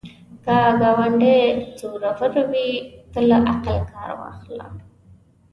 که ګاونډی زورور وي، ته له عقل کار واخله